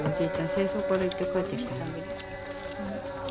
戦争から行って帰ってきたんだよ。